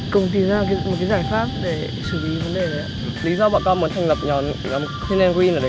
cùng tìm ra một cái giải pháp để xử lý vấn đề đấy ạ